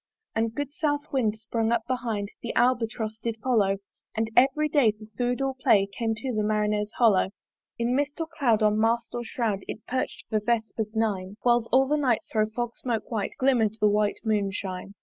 And a good south wind sprung up behind, The Albatross did follow; And every day for food or play Came to the Marinere's hollo! In mist or cloud on mast or shroud It perch'd for vespers nine, Whiles all the night thro' fog smoke white Glimmer'd the white moon shine.